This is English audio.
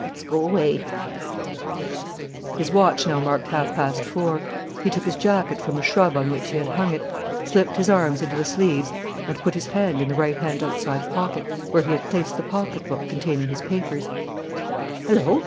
Let's go away " His watch now marked half past four. He took his jacket from the shrub on which he had hung it, slipped his arms into the sleeves, and put his hand in the right hand outside pocket, where he had placed the pocket book containing his papers: "Hullo!"